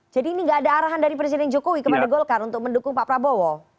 jadi ini enggak ada arahan dari presiden jokowi kepada golkar untuk mendukung pak prabowo